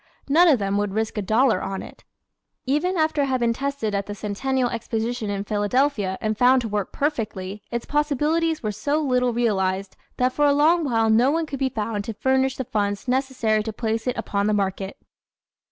None of them would risk a dollar on it. Even after it had been tested at the Centennial Exposition in Philadelphia and found to work perfectly, its possibilities were so little realized that for a long while no one could be found to furnish the funds necessary to place it upon the market.